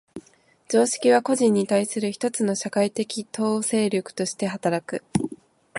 常識は個人に対する一つの社会的統制力として働く。